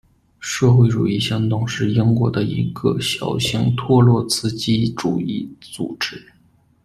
社会主义行动是英国的一个小型托洛茨基主义组织。